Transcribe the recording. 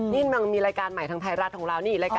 นี่มันมีรายการใหม่ทางไทยรัฐของเรานี่รายการ